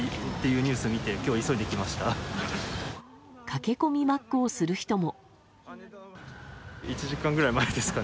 駆け込みマックをする人も。